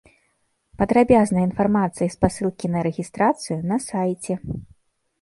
Падрабязная інфармацыя і спасылкі на рэгістрацыю на сайце.